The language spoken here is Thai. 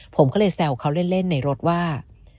ผมก็เลยแซวเขาเล่นในรถว่า